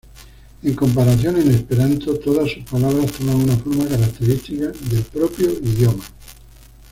En comparación, en esperanto, todas sus palabras toman una forma característica del propio idioma.